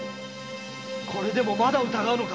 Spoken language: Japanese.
これでもまだ疑うのか？